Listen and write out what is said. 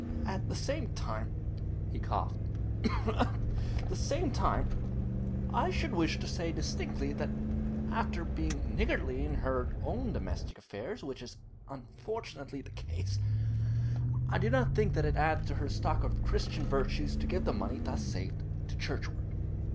At the same time' he coughed 'at the same time, I should wish to say distinctly that after being niggardly in her domestic affairs, which is unfortunately the case, I do not think it adds to her stock of Christian virtues to give the money thus saved to church work.'